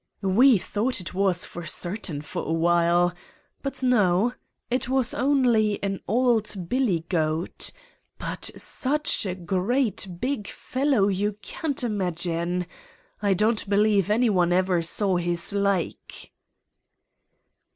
"We thought it was, for certain, for a while—but no; it was only an old billy goat! but such a great, big fellow, you can't imagine. I don't believe any one ever saw his like."